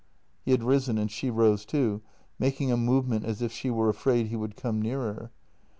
He had risen, and she rose too, making a movement as if she were afraid he would come nearer.